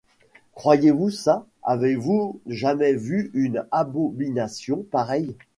Croyez-vous ça! avez-vous jamais vu une abomination pareille !...